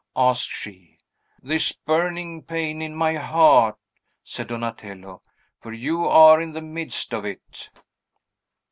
asked she. "This burning pain in my heart," said Donatello; "for you are in the midst of it."